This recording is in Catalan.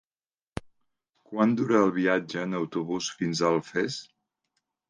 Quant dura el viatge en autobús fins a Alfés?